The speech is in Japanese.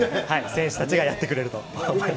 選手たちがやってくれると思いま